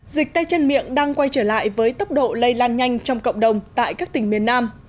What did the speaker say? dịch tay chân miệng đang quay trở lại với tốc độ lây lan nhanh trong cộng đồng tại các tỉnh miền nam